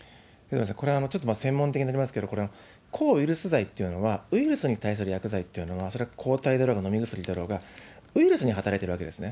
これはちょっと専門的になりますけれども、これ、抗ウイルス剤っていうのは、ウイルスに対する薬剤というのは、それは抗体であろうが飲み薬であろうが、ウイルスに働いてるわけですね。